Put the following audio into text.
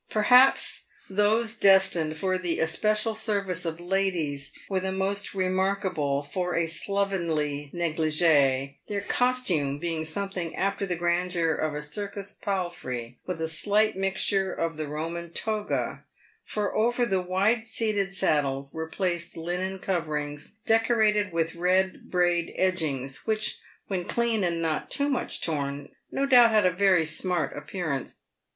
Perhaps those destined for the espe cial service of ladies were the most remarkable for a slovenly neglige, their costume being something after the grandeur of a circus palfrey, with a slight mixture of the Eoman toga, for over the wide seated saddles were placed linen coverings, decorated with red braid edgings, which, when clean and not too much torn, no doubt had a very smart appearance.